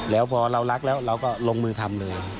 แล้วพอเรารักแล้วเราก็ลงมือทำเลย